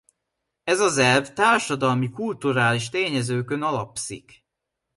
Ez az elv társadalmi-kulturális tényezőkön alapszik.